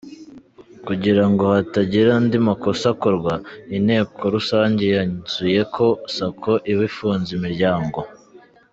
Kugira ngo hatagira andi makosa akorwa, inteko rusange yanzuye ko Sacco iba ifunze imiryango.